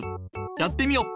やってみよ。